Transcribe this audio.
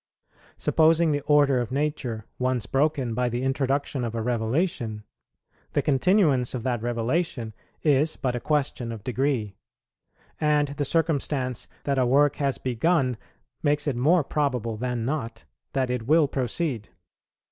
Supposing the order of nature once broken by the introduction of a revelation, the continuance of that revelation is but a question of degree; and the circumstance that a work has begun makes it more probable than not that it will proceed.